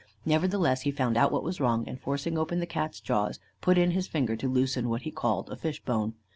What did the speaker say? Nevertheless, he found out what was wrong, and forcing open the Cat's jaws, put in his finger to loosen what he called a fish bone.